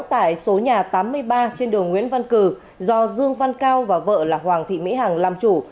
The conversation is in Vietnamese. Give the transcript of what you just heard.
tại số nhà tám mươi ba trên đường nguyễn văn cử do dương văn cao và vợ là hoàng thị mỹ hằng làm chủ